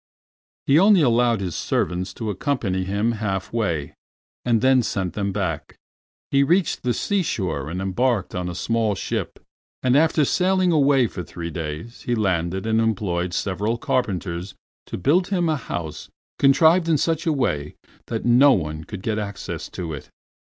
He only allowed his servants to accompany him half way, and then sent them back. He reached the seashore and embarked on a small ship, and after sailing away for three days he landed and employed several carpenters to build him a house contrived in such a way that no one could get access to it.